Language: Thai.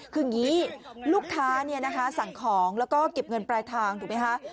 คืออย่างนี้ลูกค้าสั่งของแล้วก็เก็บเงินปลายทางถูกไหมคะ